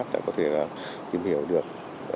để có thể tìm hiểu được